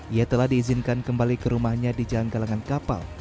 ia telah diizinkan kembali ke rumahnya di jalan galangan kapal